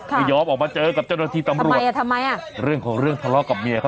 ไม่ยอมออกมาเจอกับเจ้าหน้าที่ตำรวจทำไมอ่ะเรื่องของเรื่องทะเลาะกับเมียเขา